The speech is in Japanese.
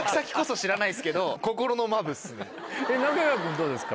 中川君どうですか？